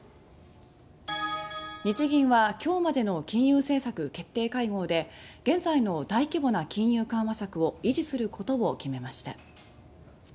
日銀は今日までの金融政策決定会合で現在の大規模な金融緩和策を維持することを決めました。